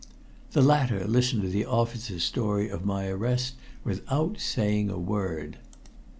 The latter listened to the officer's story of my arrest without saying a word.